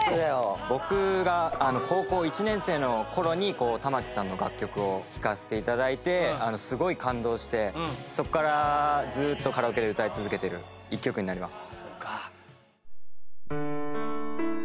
僕が高校１年生の頃に玉置さんの楽曲を聴かせて頂いてすごい感動してそこからずっとカラオケで歌い続けてる一曲になります。